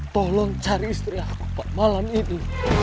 tolong cari istri aku pak malam ini